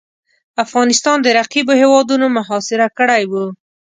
افغانستان د رقیبو هیوادونو محاصره کړی وو.